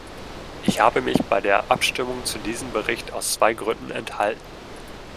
Ich habe mich bei der Abstimmung zu diesem Bericht aus zwei Gründen enthalten.